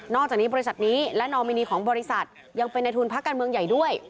อกจากนี้บริษัทนี้และนอมินีของบริษัทยังเป็นในทุนพักการเมืองใหญ่ด้วย